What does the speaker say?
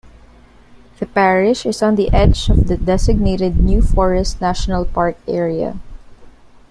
The parish is on the edge of the designated New Forest National Park area.